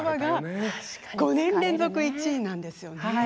５年連続１位なんですよね。